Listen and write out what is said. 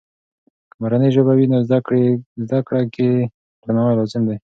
که مورنۍ ژبه وي، نو زده کړې کې درناوی لازم دی.